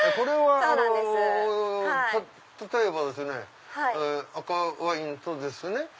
例えば赤ワインとですね